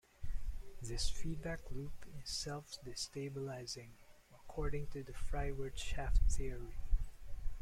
This feedback loop is "self-destabilizing", according to the Freiwirtschaft theory.